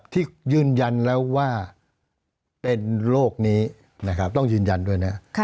ที่ยืนยันแล้วว่าเป็นโรคนี้นะครับต้องยืนยันด้วยนะ